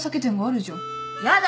やだ。